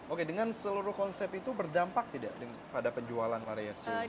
oke dengan seluruh konsep itu berdampak tidak pada penjualan mariasure